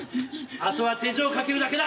あとは手錠を掛けるだけだ。